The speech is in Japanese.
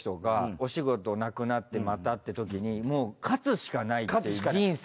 お仕事なくなってまたってときにもう勝つしかないって人生。